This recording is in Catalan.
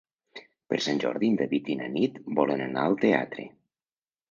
Per Sant Jordi en David i na Nit volen anar al teatre.